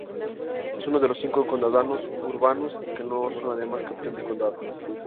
Es uno de los cinco condados urbanos que no son además capital de condado.